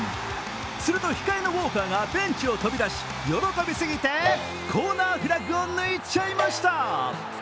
すると控えのウォーカーがベンチを飛び出し、喜びすぎてコーナーフラッグを抜いちゃいました。